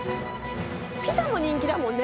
ピザも人気だもんね。